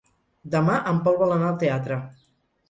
Demà en Pol vol anar al teatre.